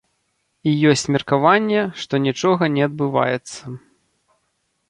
І ёсць меркаванне, што нічога не адбываецца.